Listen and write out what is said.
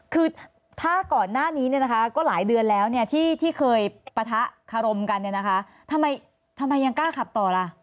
คือถ้าก่อนหน้านี้เนี่ยนะคะก็หลายเดือนแล้วเนี่ยที่เคยปะทะคารมกันเนี่ยนะคะทำไมยังกล้าขับต่อล่ะ